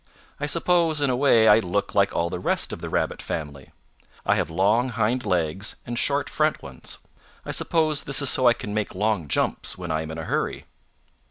I suppose in a way I look like all the rest of the Rabbit family. I have long hind legs and short front ones. I suppose this is so I can make long jumps when I am in a hurry."